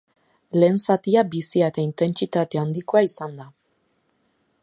Lehen zatia bizia eta intentsitate handikoa izan da.